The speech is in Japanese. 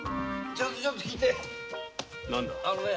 ちょっとちょっと聞いてあのね。